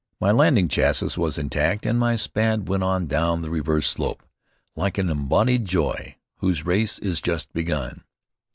My landing chassis was intact and my Spad went on down the reverse slope "Like an embodied joy, whose race is just begun."